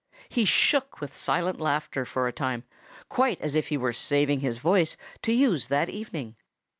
He shook with silent laughter for a time, quite as if he were saving his voice to use that evening.